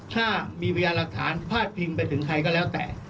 ถ้ามีพยานหลักฐานพาดพิงไปถึงใครก็แล้วแต่